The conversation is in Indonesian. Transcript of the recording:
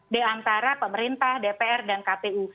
di antara pemerintah dpr dan kpu